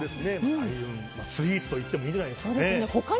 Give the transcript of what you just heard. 開運スイーツといってもいいんじゃないでしょうか。